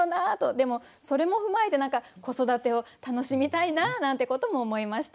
でもそれも踏まえて何か子育てを楽しみたいななんてことも思いました。